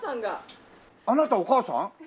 あなたお母さん？